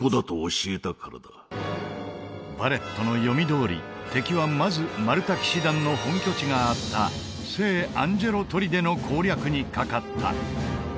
ヴァレットの読みどおり敵はまずマルタ騎士団の本拠地があった聖アンジェロ砦の攻略にかかった